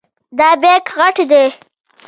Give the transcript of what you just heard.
دا بیک غټ دی.